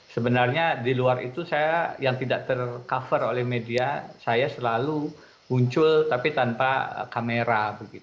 sebenarnya di luar itu saya yang tidak tercover oleh media saya selalu muncul tapi tanpa kamera